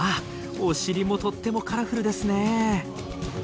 お尻もとってもカラフルですね。